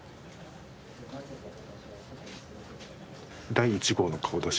第１号の顔出し？